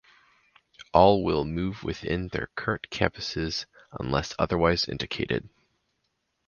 All will move within their current campuses unless otherwise indicated.